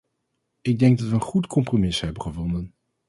Ik denk dat we een goed compromis hebben gevonden.